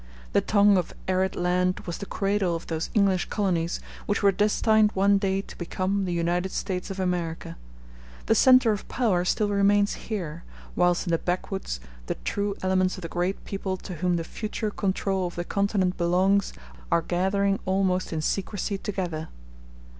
The tongue of arid land was the cradle of those English colonies which were destined one day to become the United States of America. The centre of power still remains here; whilst in the backwoods the true elements of the great people to whom the future control of the continent belongs are gathering almost in secrecy together.